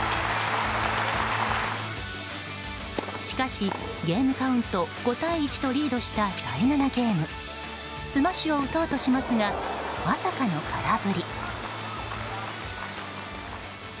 しかし、ゲームカウント５対１とリードした第７ゲームスマッシュを打とうとしますがまさかの空振り。